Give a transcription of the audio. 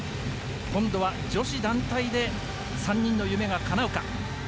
今度は女子団体で３人の夢がかなうか。